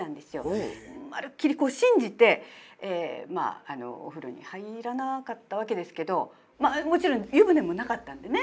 まるっきり信じてまあお風呂に入らなかったわけですけどもちろん湯船もなかったんでね